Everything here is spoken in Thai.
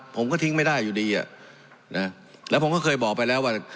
ผมก็ทิ้งไม่ได้อยู่ดีอ่ะนะแล้วผมก็เคยบอกไปแล้วว่า